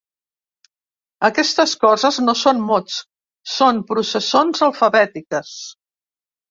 Aquestes coses no són mots, són processons alfabètiques.